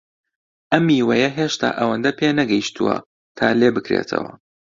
ئەم میوەیە هێشتا ئەوەندە پێنەگەیشتووە تا لێبکرێتەوە.